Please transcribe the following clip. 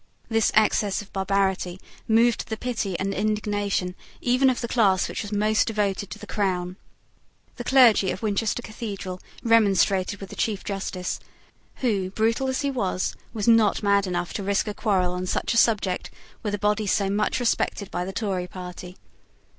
This excess of barbarity moved the pity and indignation even of the class which was most devoted to the crown. The clergy of Winchester Cathedral remonstrated with the Chief Justice, who, brutal as he was, was not mad enough to risk a quarrel on such a subject with a body so much respected by the Tory party.